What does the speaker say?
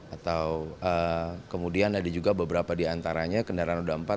atau kemudian ada juga beberapa diantaranya kendaraan roda empat